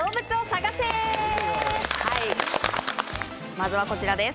まずはこちらです。